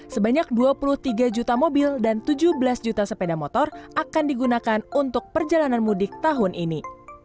sebanyak dua puluh tiga juta mobil dan tujuh belas juta sepeda motor akan digunakan untuk perjalanan mudik tahun ini